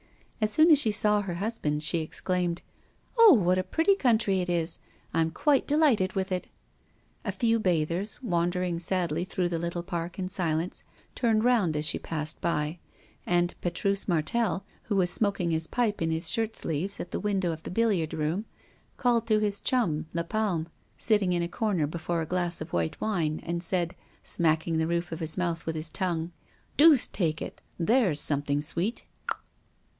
As soon as she saw her husband, she exclaimed: "Oh! what a pretty country it is! I am quite delighted with it." A few bathers wandering sadly through the little park in silence turned round as she passed by, and Petrus Martel, who was smoking his pipe in his shirt sleeves at the window of the billiard room, called to his chum, Lapalme, sitting in a corner before a glass of white wine, and said, smacking the roof of his mouth with his tongue: "Deuce take it, there's something sweet!"